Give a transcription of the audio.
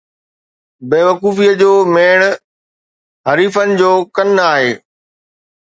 بيوقوفيءَ جو ميڙ“ حریفن جو ڪن آهي